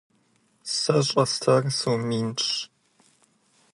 Сэ щӀэстар сом минщ.